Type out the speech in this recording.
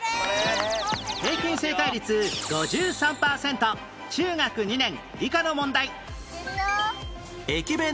平均正解率５３パーセント中学２年理科の問題